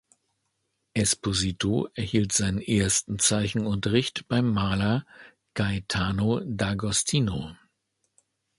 Esposito erhielt seinen ersten Zeichenunterricht beim Maler Gaetano D’Agostino.